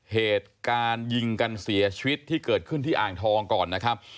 เหตุการณ์ยิงกันเสียชีวิตที่เกิดขึ้นที่อ่างทองก่อนนะครับ